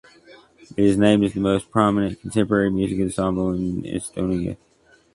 It is named as the most prominent contemporary music ensemble in Estonia.